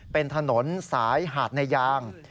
เป็นถนนสายหาดนายาง